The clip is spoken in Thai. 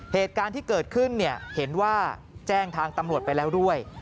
เหตุการณ์ที่เกิดขึ้นเห็นว่าแจ้งทางตำรวจไปแล้วด้วย